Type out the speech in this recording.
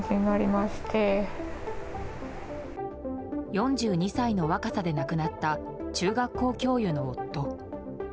４２歳の若さで亡くなった中学校教諭の夫。